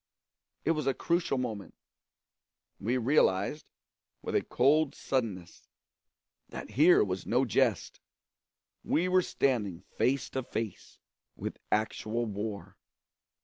It was a crucial moment; we realised, with a cold suddenness, that here was no jest we were standing face to face with actual war.